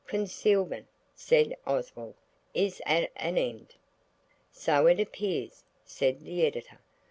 "Concealment," said Oswald, "is at an end." "So it appears," said the Editor.